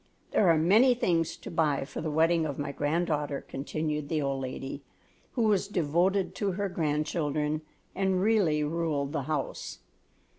There are many things to buy for the wedding of my granddaughter," continued the old lady, who was devoted to her grandchildren and really ruled the house.